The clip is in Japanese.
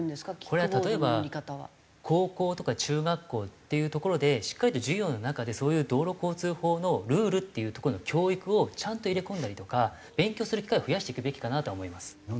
これは例えば高校とか中学校っていう所でしっかりと授業の中でそういう道路交通法のルールっていうとこの教育をちゃんと入れ込んだりとか勉強する機会を増やしていくべきかなとは思います。